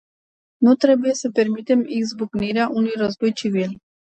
Nu trebuie să permitem izbucnirea unui război civil.